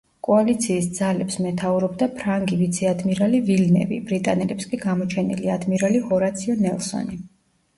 კოალიციის ძალებს მეთაურობდა ფრანგი ვიცე-ადმირალი ვილნევი, ბრიტანელებს კი გამოჩენილი ადმირალი ჰორაციო ნელსონი.